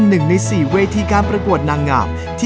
สนุนโดยสถาบันความงามโย